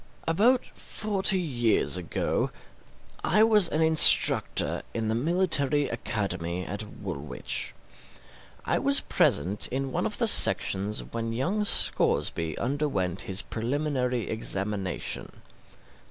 About forty years ago I was an instructor in the military academy at Woolwich. I was present in one of the sections when young Scoresby underwent his preliminary examination.